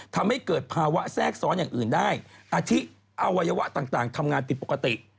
ทำให้เกิดภาวะแทรกซ้อนอย่างอื่นได้อาทิอวัยวะต่างทำงานผิดปกติ